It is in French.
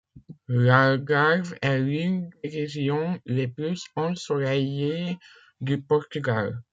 L’Algarve est l'une des régions les plus ensoleillées du Portugal.